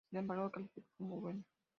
Sin embargo la calificó como "buena".